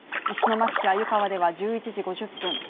石巻市鮎川では１１時５０分